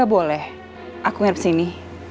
boleh aku nginep sini